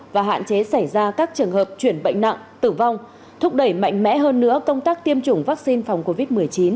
và hạn chế xảy ra các trường hợp chuyển bệnh nặng tử vong thúc đẩy mạnh mẽ hơn nữa công tác tiêm chủng vaccine phòng covid một mươi chín